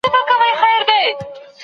هغه مواد چي ما لوستلي وو ډېر پخواني وو.